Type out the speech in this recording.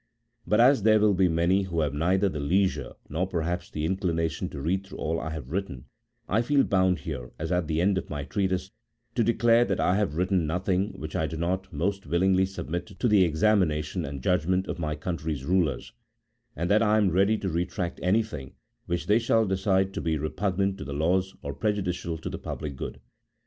But as there will be many who have neither the leisure, nor, perhaps, the inclination to read through all I have written, I feel bound here, as at the end of my treatise, to declare that I have written nothing, which I do not most willingly submit to the examination and judgment of my country's rulers, and that I am ready to retract any thing, which they shall decide to be repugnant to the laws or prejudicial to the public good.